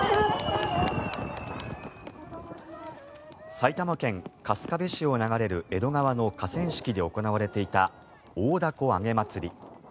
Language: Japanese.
埼玉県春日部市を流れる江戸川の河川敷で行われていた大凧あげ祭り。